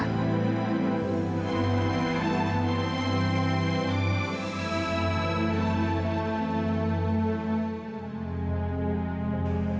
makasih ya kak